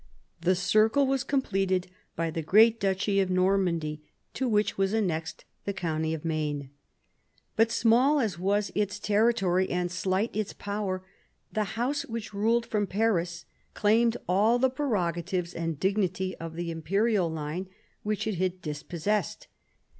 The circle was completed by the great duchy of Normandy, to which was annexed the county of Maine. But small as was its territory and slight its power, the house which ruled from Paris claimed all the pre rogatives and dignity of the imperial line which it had dispossessed.